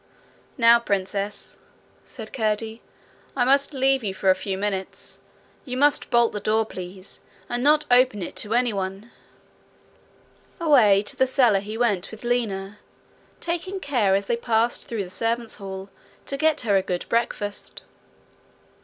'Now, Princess,' said Curdie, 'I must leave you for a few minutes. You must bolt the door, please, and not open it to any one.' Away to the cellar he went with Lina, taking care, as they passed through the servants' hall, to get her a good breakfast.